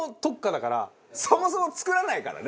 そもそも作らないからね。